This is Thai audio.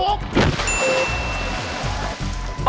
สุนคริสตอบ